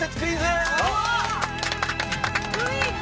クイズ？